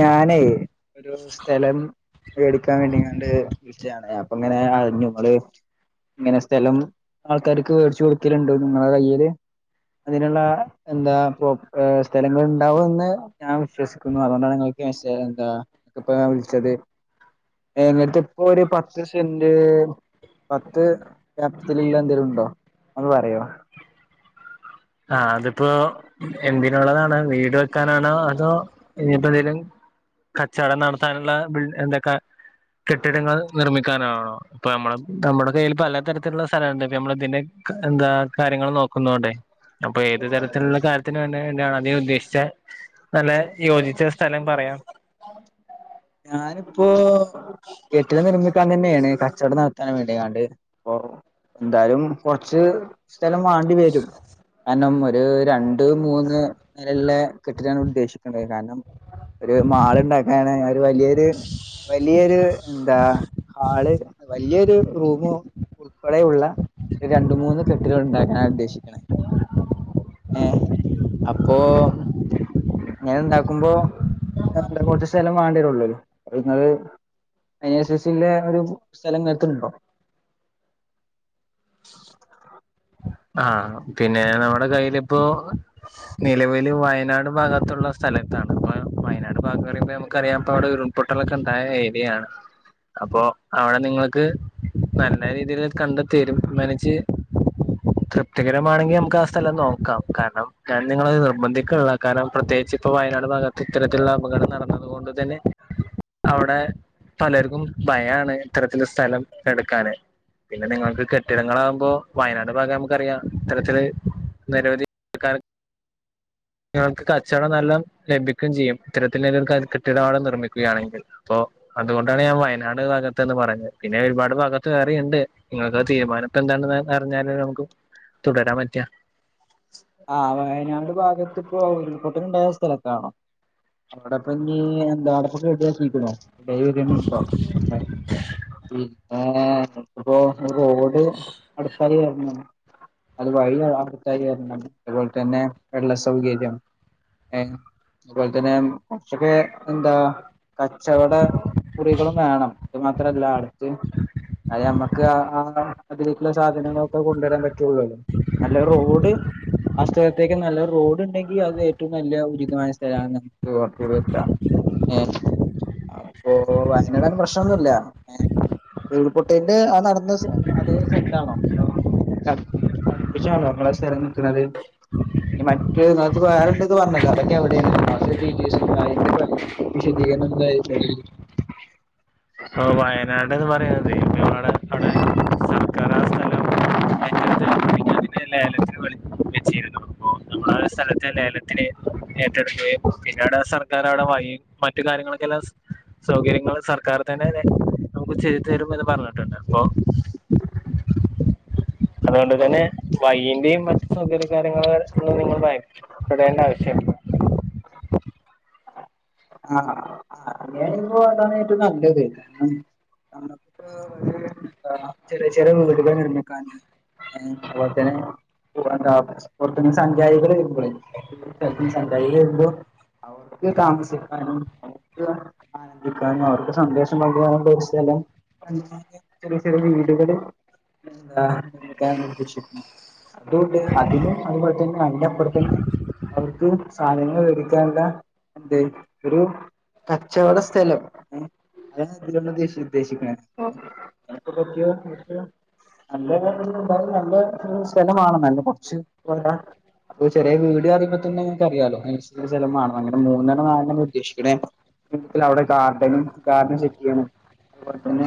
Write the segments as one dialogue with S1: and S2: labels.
S1: ഞാനേ ഒരു സ്ഥലം എടുക്കാൻ വേണ്ടിങ്ങണ്ട് വിളിച്ചയാണ്. അപ്പ അങ്ങനെ അറിഞ്ഞു അത് ഇങ്ങനെ സ്ഥലം ആൾക്കാർക്ക് മേടിച്ചു കൊടുക്കലുണ്ടോ നിങ്ങളെ കയ്യില് അതിനുള്ള എന്താ സ്ഥലങ്ങൾ ഉണ്ടാവുംന്ന് ഞാൻ വിശ്വസിക്കുന്നു അതുകൊണ്ടാണ് എന്താ ഇപ്പ വിളിച്ചത് ഞങ്ങക്ക് ഇപ്പൊ ഒരു പത്ത് സെന്റ് പത്ത് പത്തില്ല എന്തേലും ഉണ്ടോ അന്ന് പറയോ
S2: ആ അതിപ്പോ എന്ന് വീട് വെക്കാനാണോ അതോ ഇനിയിപ്പോ എന്തേലും കച്ചവടം നടത്താനുള്ള എന്തൊക്കാ കെട്ടിടങ്ങൾ നിർമ്മിക്കാനാണോ ഇപ്പൊ നമ്മള നമ്മുടെ കയ്യിൽ പല തരത്തിലുള്ള സ്ഥലംണ്ട്. ഇപ്പ നമ്മൾ ഇതിന്റെ എന്താ കാര്യങ്ങൾ നോക്കുന്നോണ്ടേ. അപ്പൊ ഏത് തരത്തിലുള്ള കാര്യത്തിന് വേണ്ടിയാണ് അതിന ഉദ്ദേശിച്ച നല്ല യോജിച്ച സ്ഥലം പറയാം
S1: ഞാനിപ്പോ കെട്ടിടം നിർമ്മിക്കാൻ തന്നെയാണ് ക ച്ചവടം നടത്താൻ വേണ്ടി ക്കാണ്ട് പ്പോ എന്തായാലും കൊറച്ച് സ്ഥലം വാണ്ടി വരും. കാരണം രണ്ട് മൂന്ന് നിലള്ള കെട്ടിട്ടാണ് ഉദ്ദേശിക്കണ്ടത്. കാരണം ഒരു മാള ഉണ്ടാക്കാന വലിയൊരു വലിയൊരു എന്താ ഹാള് വല്യൊരു റൂമൊ ഉൾപ്പെടെയുള്ള രണ്ട മൂന്ന് കെട്ടുകൾ ഉണ്ടാക്കാന ഉദ്ദേശിക്കണത്. ഏ അപ്പൊ അങ്ങനെ ഉണ്ടാക്കുമ്പോ എന്താ കുറച്ച് സ്ഥലം വാണ്ടിരുള്ളല്ലോ ഇങ്ങള് എൻ എ സി സി ൻ്റെ ഒരു സ്ഥലം ഇങ്ങൾക്കുണ്ടോ [unintelligible]
S2: ആ പിന്നെ നമ്മുടെ കയിലിപ്പോ നിലവില് വയനാട് ഭാഗത്തുള്ള സ്ഥ സ്ഥലത്താണ് അപ്പ വയനാട് ഭാഗം പറയുമ്പോ നമുക്ക അറിയാം. ഇപ്പൊ അവിടെ ഉരുൾപൊട്ടലൊക്കെ ഉണ്ടായ ഏരിയാണ്. അപ്പൊ അവിടെ നിങ്ങക്ക് നല്ല രീതിയിൽ കണ്ട് തീരുമാനിച്ച്
S1: [unintelligible]
S2: തൃപ്തികരമാണെങ്കിൽ നമുക്ക് ആ സ്ഥലം നോക്കാം കാരണം ഞാൻ നിങ്ങളത് നിർബന്ധിക്കണിള്ള. കാരണം പ്രത്യേകിച്ച് ഇപ്പൊ വയനാട് ഭാഗത്ത് ഇത്തരത്തിലുള്ള അപകടം നടന്നത് കൊണ്ട് തന്നെ അവിടെ പലർക്കും ഭയാണ് ഇത്തരത്തിലൊരു സ്ഥലം എടുക്കാന് [unintelligible] നമുക്കറിയാം ഇത്തരത്തില് നിരവധിക്ക
S1: [unintelligible]
S2: നിങ്ങൾക്ക് കച്ചവടം നല്ലം ലഭിക്കും ചെയ്യും. ഇത്തരത്തി കെട്ടിടം നിർമ്മിക്കുകയാണെങ്കിൽ. പ്പൊ അതുകൊണ്ടാണ് ഞാൻ വയനാട് ഭാഗത്ത്ന്ന് പറഞ്ഞത്. പിന്നെ ഒരുപാട് ഭാഗത്ത് വേറിം ണ്ട്. നിങ്ങൾക്ക് തീരുമാനപ്പ എന്താണ് അറിഞ്ഞാല നമുക്ക് തുടരാൻ പറ്റാ
S1: ആ വയനാട് ഭാഗത്ത് ഇപ്പോ ഉരുൾപൊട്ടലുണ്ടായ സ്ഥലത്തണോ. അവിടെപ്പ ഞി എന്താ അവിടെപ്പൊ റെഡ്യാക്കിക്ക്ണോ അവിടെ ഏതെലും ഉണ്ടോ പിന്നെ ഇപ്പോ റോഡ് അടുത്തായി വരണം. അതുപോലെ തന്നെ വെള്ള സൗകര്യം ഏ അതുപോലെ തന്നെ കുറച്ചൊക്കെ എന്താ കച്ചവട മുറികളും വേണം മാത്രല്ല അടത്ത് അത നമ്മുക്ക് ആ അതിലേക്കുള്ള സാധനങ്ങളൊക്കെ കൊണ്ടുവരാൻ പറ്റുള്ളു അല്ല റോഡ് ആ സ്ഥലത്തേക്ക് നല്ലൊരു റോഡ് ഉണ്ടെങ്കിൽ അത് ഏറ്റവും നല്ല ഉചിതമായ സ്ഥലാണെന്ന് നമുക്ക് ഉറപ്പ് വരുത്താം ഏ അപ്പൊ വയനാട് പ്രശ്നൊന്നുല്ല ഏ ഉരുൾ പൊട്ടലിൻ്റെ ആ നടന്ന അതേ സ്ഥലത്താണോ അടുപ്പിച്ച ആണല്ലോ അമ്മെളെ സ്ഥലം നിക്കണത്. മറ്റേത് ഇതിനാത്ത് വേറെണ്ട്ന്ന് പറഞ്ഞല്ലോ അതൊക്കെ എവിടെയാണ് അതിൻ്റെ ഡീറ്റേസും അയിന്റെ വിശദീകണം എന്താ അയ്ശെരി
S2: വയനാട്ന്ന് പറയ്ന്നതെ [unintelligible] അതിനെ ആ സ്ഥലത്തെ ലേലത്തിന് ഏറ്റെടുക്കുകയും പിന്നീട് ആ സർക്കാർ അവിടെ വയിം മറ്റു കാര്യങ്ങളൊക്കെല്ലാം സ് സൗകര്യങ്ങള് സർക്കാർ തന്നെ നമുക്ക് ചെയ്ത് തരും എന്ന് പറഞ്ഞിട്ടുണ്ട് അപ്പൊ അതുകൊണ്ട് തന്നെ വൈയ്ന്റേയും മറ്റു സൗകര്യ കാര്യങ്ങളുമായ് [unintelligible] ഭയപ്പെടേണ്ട ആവശ്യല്ല
S1: ആ അങ്ങനെപോ അതാണ് ഏറ്റവും നല്ലത് ചെറിയ ചെറിയ വീടുകൾ നിർമ്മിക്കാൻ [inaudible] പുറത്ത്ന്ന് സഞ്ചാരികളെ വരും [unintelligible] സഞ്ചാരികളെ വരും അപ്പം അവർക്ക് താമസിക്കാനും അവർക്ക് അവർക്ക് സന്തോഷം [unintelligible] ഒരു സ്ഥലം ചെറിയ ചെറിയ വീടുകളെ അം അതൊക്കെയാണ് ഉദ്ദേഷിക്കുന്ന അതുകൊണ്ട് അതിനും അതുപോലെ തന്നെ അതിന്റെ അപ്പുറത്തന്നെ അവർക്ക് സാധന ങ്ങൾ വേടിക്കാനുള്ള എന്ത് ഒരു കച്ചവട സ്ഥലം ഞാൻ [unintelligible] ഉദ്ദേശി ഉദ്ദേക്കണെ ഒ [unintelligible] നല്ല [unintelligible] നല്ല സ്ഥലമാണ് നല്ല കൊറച്ച് പോരാ അപ്പൊ ചെറിയ വീട് പറയുമ്പ തന്നെ നിങ്ങക്കറിയാലോഅനുസ് കച്ചോട സ്ഥലം വേണം അങ്ങനെ മൂന്നണ്ണം നാലെണ്ണം ഉദ്ദേശിക്കണേ അവിടെ ഗാർഡനും ഗാർഡൻ സെറ്റെയ്യണം അതുപോലെ തന്നെ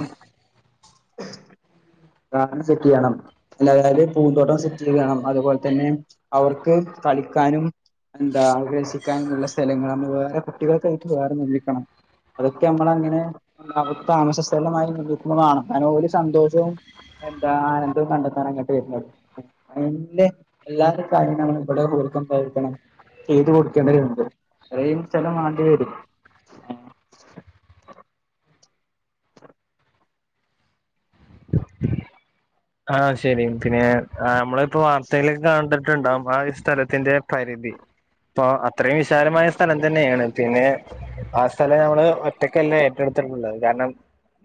S1: ഗാർഡൻ സെറ്റ് ചെയ്യണം അല്ലായാല് പൂന്തോട്ടവും സെറ്റ് ചെയ്യേം വേണം അതുപോലെ തന്നെ അവർക്ക് കളിക്കാനും എന്താ ഒരു ക്കാനുള്ള സ്ഥലങ്ങൾ അത് വേറെ കുട്ടികൾക്കായിട്ട് വേറെ നിർമിക്കണം അതൊക്കെ അമ്മളങ്ങനെ താമസസ്ഥലമായി നിർമ്മിക്കുന്നതാണ് കാരണം ഒരു സന്തോഷവും എന്താ ആനന്ദവും കണ്ടെത്താൻ അങ്ങട്ട് വരുന്നത് അതിന്റെ എല്ലാര്ടെ കാര്യങ്ങൾ [unintelligible] [unintelligible] ഇരിക്കണം ചെയ്തു കൊടു ക്ക്ത് ഇണ്ട് റേയും സ്ഥലം വാണ്ടി വരും
S2: ആഹ് ശരി പിന്നെ അമ്മള് ഇപ്പോ വാർത്തയിലൊക്കെ കാണ്ടിട്ടുണ്ടാവും ആ സ്ഥലത്തിന്റെ പരിധി അപ്പൊ അത്രയും വിശാലമായ സ്ഥലം തന്നെയാണ്. പിന്നെ ആ സ്ഥലം ഞമ്മള് ഒറ്റക്കല്ല ഏറ്റെടു ത്തിട്ടുള്ളത് കാരണം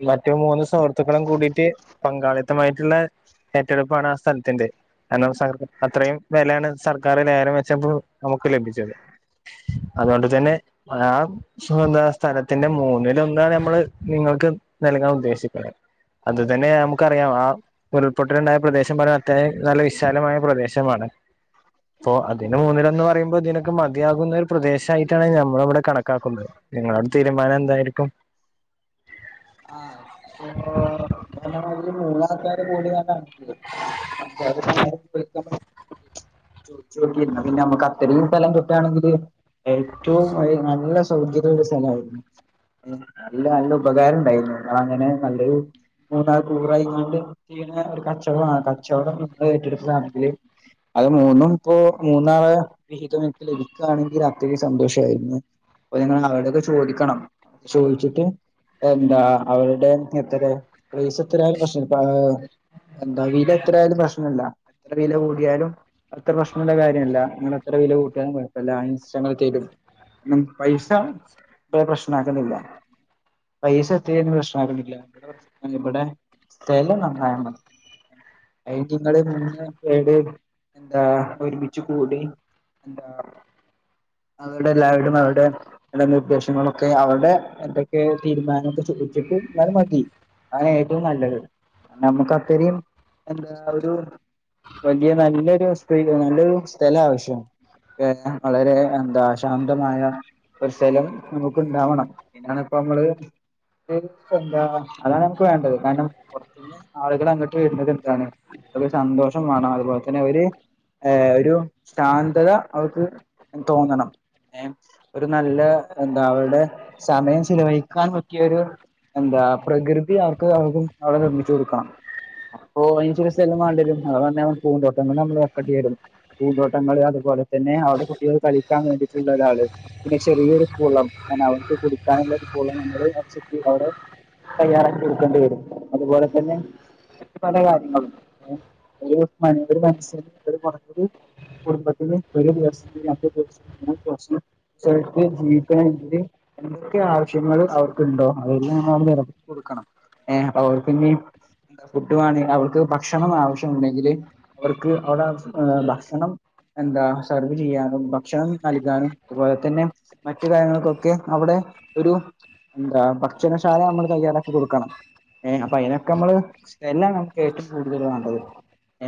S2: മറ്റു മൂന്ന് സുഹൃത്തുക്കളും കൂടീട്ട് പങ്കാളിത്തമായിട്ടുള്ള ഏറ്റെടുപ്പാണ് ആ സ്ഥലത്തിന്റെ കാരണം സർ അത്രയും വിലയാണ് സർക്കാർ ലേലം വെച്ചപ്പൊഴും നമുക്ക് ലഭിച്ചത് അതുകൊണ്ട് തന്നെ ആ എന്ത സ്ഥലത്തിന്റെ മൂന്നിലൊന്നാണ് നമ്മള് നിങ്ങ ങ്ങക്ക് നൽകാൻ ഉദ്ദേശിക്കുന്നെ അത് തന്നെ നമുക്കറിയാം ആ ഉരുൾപൊട്ടലുണ്ടായ പ്രദേശം പറയാ അത്രോം നല്ല വിശാലമായ പ്രദേശമാണ് അപ്പൊ അതിന് മൂന്നിലൊന്ന് പറയുമ്പോ ഇതിനൊക്കെ മതിയാകുന്നൊരു പ്രദേശ ആയിട്ടാണ് ഞമ്മളവിടെ കണക്കാക്കുന്നത് ഇങ്ങളോട് തീരുമാനം എന്തായിരിക്കും
S1: ആഹ് അമ്മാതിരി മൂന്നാൾക്കാര് കൂടി [unintelligible] അപ്പൊ അത് [unintelligible] ചോയിച്ചോക്കി എന്നാ പിന്നെ നമ്മുക്ക് അത്രയും സ്ഥലം തൊട്ടാണെങ്കില് ഏറ്റവും വഴി നല്ല സൗകര്യുള്ള സ്ഥലമായിരുന്നു നല്ല നല്ല ഉപകാരം ഉണ്ടായിരുന്നു ഞങ്ങളങ്ങനെ നല്ലൊരു മൂന്നാൽ കൂറയിങ്ങാണ്ട് ഒരു കച്ചവടമാണ് കച്ചവടം നിങ്ങൾ ഏറ്റെടുത്തതാണെങ്കില് അത് മൂന്നും ഇപ്പോ മൂന്നാള് വിഹിതം [unintelligible] ലഭിക്കുകയാണെങ്കിൽ അത്രയും സന്തോഷായിരുന്നു അപ്പം ഞങ്ങള് അവടൊക്കെ ചോദിക്കണം ചോയിച്ചിട്ട് എന്താ അവരുടെ [inaudible] പ്ലേസ് എത്രയാലും പ്രശ്നം എന്താ വീട് എത്രയാലും പ്രശ്നല്ല അത്ര വില കൂടിയാലും അത്ര പ്രശ്നമുള്ള കാര്യമല്ല അങ്ങന അത്ര വില കൂട്ടിയാലും കുഴപ്പമില്ല അതിനനുസരിച്ച് ഞങ്ങൾ തരും പൈസ ഇ പ്രശ്നമാക്കുന്നില്ല പൈസ ഒത്തിരി പ്രശ്നാക്കുന്നില്ല ഇവിടെ സ്ഥലം നന്നായ മതി അ നിങ്ങള്ൾ നിന്ന് കേട് എന്താ ഒരുമിച്ച് കൂടി [inaudible] എന്താ അവടെ എല്ലാവടും അവരുടെ നിർദ്ദേശങ്ങളൊക്കെ അവരുടെ എന്തൊക്കെ തീരുമാനംക്കെ വിട്ടിട്ട് എന്നാല മതി ആ ഏറ്റവും നല്ലത് നമ്മുക്ക് അത്രയും എന്താ ഒരു വലിയ നല്ലൊരു സ്ട്രീ നല്ലൊരു സ്ഥലം ആവശ്യം ഏ വളരെ എന്താ ശാന്തമായ ഒരു സ്ഥലം നമുക്ക് ഉണ്ടാവണം അതിനാണ് ഇപ്പ നമ്മള് എന്താ അതാണ് വേണ്ടത് കാരണം പിന്നെ ആളുകൾ അങ്ങോട്ട് വെരുന്നത് എന്താണ് സന്തോഷം വേണം അതുപോലെ തന്നെ അവര് ഏ ഒരു ശാന്തത അവർക്ക് തോന്നണം ഒരു നല്ല എന്താ അവരുടെ സമയം ചിലവഴിക്കാൻ പറ്റിയ ഒരു എന്താ പ്രകൃതി അവർക്ക് അവർക്കും അവിടെ നിർമ്മിച്ചു കൊടുക്കണം അപ്പൊ അതിന് ചില സ്ഥലം വേണ്ടിവരും അത് പറഞ്ഞ പൂന്തോട്ടങ്ങള് നമ്മള് വെക്കണ്ടി വരും പൂന്തോട്ടങ്ങളൾ അതുപോലെ തന്നെ അവിടെ കുട്ടികൾ കളിക്കാൻ വേണ്ടിയിട്ടുള്ള ഒരാള് പിന്നെ ചെറിയൊരു കുളം അത് പറഞ്ഞ അവർക്ക് കുളിക്കാനുള്ള ഒരു കുളം പോലെ നമ്മള്അവിടെതയ്യാറാക്ക കൊടുക്കേണ്ടി വരും അതുപോലെ തന്നെ മറ്റു പല കാര്യങ്ങളും ഒരു ഒരു മനുഷ്യന് കുറഞ്ഞത് കുടുംബത്തിന് ഒരു ദിവസം രണ്ട് ദിവസം [unintelligible] ശരിക്ക് ജീവിക്കണെങ്കിൽ എന്തൊക്കെ ആവശ്യങ്ങൾ അവർക്കുണ്ടോ അതെല്ലാം നമ്മ നിറവേറ്റി കൊടുക്കണം ഏ അപ്പൊ അവർക്ക് നി ഫുഡ് വേണങ്കി അവർക്ക് ഭക്ഷണം ആവശ്യംണ്ടെങ്കില് അവർക്ക് അവിടെ ഭക്ഷണം എന്താ സെർവ് ചെയ്യാനും ഭക്ഷണം നൽകാനും അതുപോലെ തന്നെ മറ്റു കാര്യങ്ങൾക്കൊക്കെ അവിടെ ഒരു എന്താ ഭക്ഷണശാല നമ്മള് തയ്യാറാക്കി കൊടുക്കണം ഏ അപ്പൊ അതിനൊക്കെ നമ്മള് സ്ഥലാണ് നമുക്ക് ഏറ്റവും കൂടുതൽ വേണ്ടത്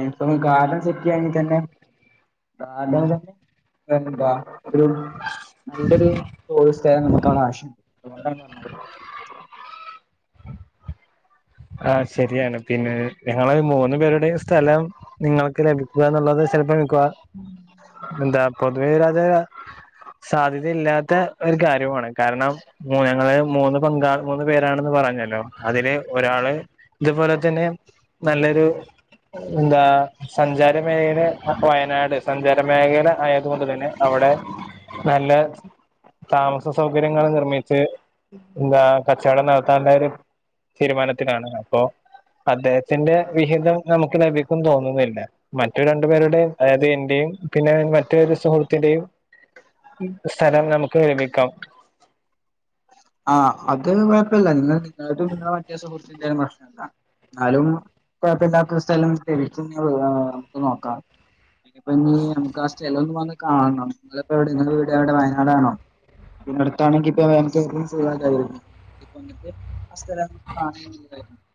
S1: ഇനിപ്പ ഗാർഡൻ സെറ്റയ്യാണിതന്നെ ഗാർഡ തന്നെ പെന്താ ഒരു നല്ലൊരു ഹോംസ്റ്റേ നമുക്ക് അവിടെ ആവശ്യം അതുകൊണ്ടാണ് പറഞ്ഞത്
S2: ആഹ് ശരിയാണ് പിന്നെ ഞങ്ങള് മൂന്ന് പേരുടെ സ്ഥലം നിങ്ങൾക്ക് ലഭിക്കുക എന്നുള്ളത് [unintelligible] എന്താ പൊതുവേ [unintelligible] സാധ്യതയില്ലാത്ത ഒരു കാര്യമാണ് കാരണം ഞങ്ങള് മൂന്ന് പങ്കാള മൂന്ന് പേരാണെന്ന് പറഞ്ഞല് അതുപോലെ തന്നെ നല്ലൊരു എന്താ സഞ്ചാര മേഖയില് വയനാട് സഞ്ചാര മേഖല ആയത്കൊണ്ട് തന്നെ അവിടെ നല്ല താമസ സൗകര്യങ്ങള് നിർമിച്ച് എന്താ കച്ചവടം നടത്താനുള്ള ഒരു തീരുമാനത്തിലാണ് അപ്പോ അദ്ദേഹത്തിന്റെ വിഹിതം നമുക്ക് ലഭിക്കും തോന്നുന്നില്ല മറ്റു രണ്ടു പേരുടെയും അതായത് എന്റെയും പിന്നെ മറ്റൊരു സുഹൃത്തിന്റെയും സ്ഥലംനമുക്ക് വേടിക്കാം
S1: ആഹ് അത് കുഴപ്പല്ല [unintelligible] നിങ്ങളെ മറ്റേ സുഹൃത്തിൻ്റേം മതി എന്നാലുംഴ കൊപ്പില്ലത്തൊരു സ്ഥലം ലഭിക്കും നമുക്ക് നോക്കാം ഇനിപ്പ ഇ നമുക്ക് ആ സ്ഥലം ഒന്ന് വന്ന് കാണണം നിപ്പോ എവിടെ നി വീട് എവിടെ വയനാടാണോ പി ന്നടുത്താണെങ്കി ഇപ്പ [inaudible] [inaudible] [unintelligible]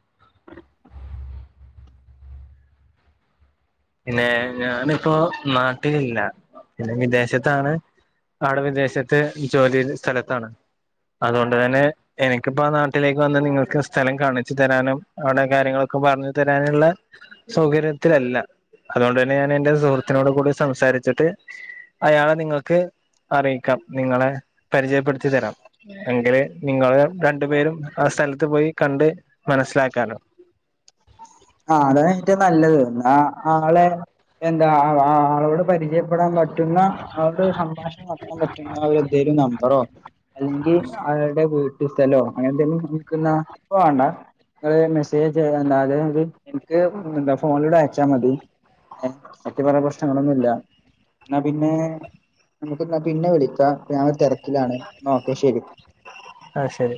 S2: പിന്നെ ഞാനിപ്പോ നാട്ടിലില്ല പിന്നെ വിദേശത്താണ് ആവിടെ വിദേശത്ത് ജോലി സ്ഥലത്താണ് അതുകൊണ്ട് തന്നെ എനിക്കിപ്പോ ആ നാട്ടിലേക്ക് വന്ന് നിങ്ങൾക്ക് സ്ഥലം കാണിച്ചു തരാനും അവിടെ കാര്യങ്ങളൊക്കെ പറഞ്ഞു തരാനുള്ള സൗകര്യത്തിലല്ല അതുകൊണ്ട് തന്നെ ഞാൻ എന്റെ സുഹൃത്തിനോട് കൂടി സംസാരിച്ചിട്ട് അയാളെ നിങ്ങൾക്ക് അറിയിക്കാം നിങ്ങളെ പരിചയപ്പെടുത്തി തരാം എങ്കില് നിങ്ങള് രണ്ടു പേരും ആ സ്ഥലത്ത് ത്ത് പോയി കണ്ട് മനസ്സിലാക്കാലോ
S1: ആ അതാണ് ഏറ്റവും നല്ലത് ആഹ് ആളെ എന്താ ആളോട് പരിചയപ്പെടാൻ പറ്റുന്ന അത് സംഭാഷണം നടത്താൻ പറ്റുന്ന അവര് എന്തേലും നമ്പറോ അല്ലെങ്കിൽ ആൾടെ വീട്ട് സ്ഥലോ അങ്ങനെ എന്തേലും നിക്കുന്ന ഇപ്പൊ വേണ്ട നിങ്ങൾ മെസ്സേജ് അയച്ച്തന്നാല് എനിക്ക് എന്താ ഫോണിലൂടെ അയച്ചാ മതി സത്യം പറഞ്ഞ പ്രശ്നങ്ങളൊന്നുല്ല ന്നാ പിന്നെ നമുക്ക് നാ പിന്നെ വിളിക്കാ ഞാൻ തിരക്കിലാണ് ന്നാ ഓക്കേ ശെരി
S2: ആ ശരി